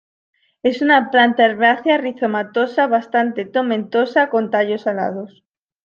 Es una planta herbácea rizomatosa, bastante tomentosa, con tallos alados.